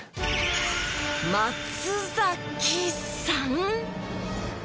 「松崎さん」？